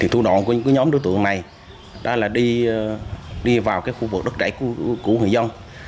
thủ đoạn của nhóm đối tượng này là đi vào khu vực đất đẩy của người dân